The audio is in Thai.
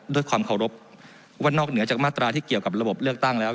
ด้วยความเคารพว่านอกเหนือจากมาตราที่เกี่ยวกับระบบเลือกตั้งแล้ว